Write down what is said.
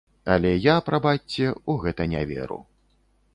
Але я, прабачце, у гэта не веру.